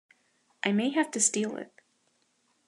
I may have to steal it.